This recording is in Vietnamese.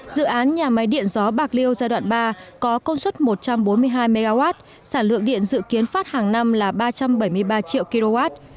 dự án nhà máy điện gió bạc liêu giai đoạn ba có công suất một trăm bốn mươi hai mw sản lượng điện dự kiến phát hàng năm là ba trăm bảy mươi ba triệu kw